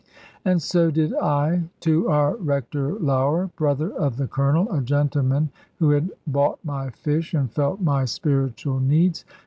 And so did I to our Rector Lougher, brother of the Colonel, a gentleman who had bought my fish, and felt my spiritual needs.